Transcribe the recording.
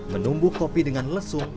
menumbuh kopi dengan lesung